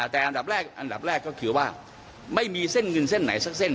แต่อันดับแรกก็คือว่าไม่มีเส้นหนึ่งเส้นไหนสักเส้น